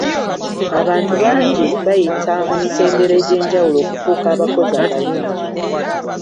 Abantu bangi bayita mu mitendera egy'enjawulo okufuuka abakozi abalungi.